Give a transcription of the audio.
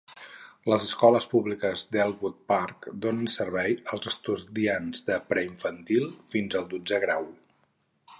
Les escoles públiques d'Elmwood Park donen servei als estudiants de preinfantil fins al dotzè grau.